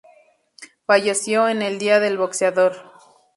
Falleció en el día del boxeador.